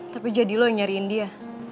tapi jadi lo nyariin dia